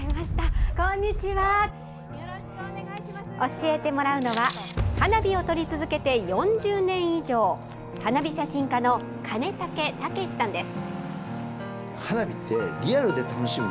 教えてもらうのは花火を撮り続けて４０年以上花火写真家の金武武さんです。